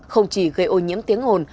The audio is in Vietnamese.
không chỉ gây ô nhiễm tiếng ồn